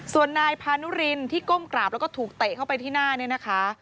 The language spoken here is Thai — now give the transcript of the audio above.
ส่วนนายพานุรินที่ก้มกราบแล้วก็ถูกเตะเข้าไปที่หน้าเนี่ยนะคะ